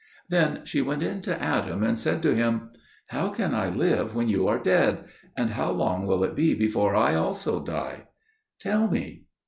Then she went in to Adam, and said to him, "How can I live when you are dead? and how long will it be before I also die? Tell me."